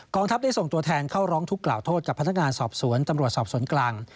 ทัพได้ส่งตัวแทนเข้าร้องทุกข์กล่าวโทษกับพนักงานสอบสวนตำรวจสอบสวนกลาง